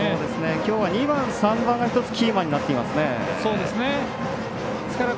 きょうは２番、３番が１つキーマンになっています。